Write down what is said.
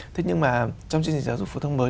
thế nhưng mà trong chương trình giáo dục phổ thông mới